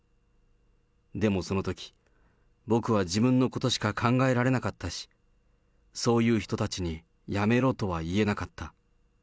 でもそのとき、僕は自分のことしか考えられなかったし、そういう人たちにやめろとは言えなかった。